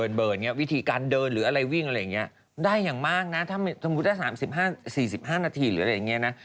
วิธีการเดินหรืออะไรวิ่งอะไรอย่างนี้ได้อย่างมากนะถ้าสมมุติถ้า๓๔๕นาทีหรืออะไรอย่างนี้นะ